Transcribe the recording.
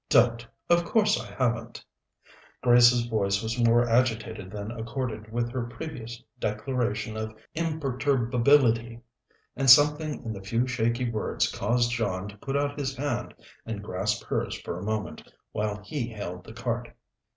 "Don't! Of course I haven't." Grace's voice was more agitated than accorded with her previous declaration of imperturbability, and something in the few shaky words caused John to put out his hand and grasp hers for a moment, while he hailed the cart.